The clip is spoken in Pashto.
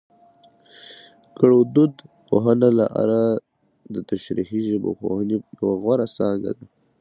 ګړدود پوهنه له اره دتشريحي ژبپوهنې يوه غوره څانګه ده